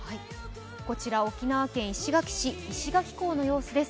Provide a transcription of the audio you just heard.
こちら沖縄県石垣市石垣港の様子です。